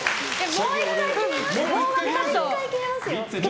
もう１回切れますよ。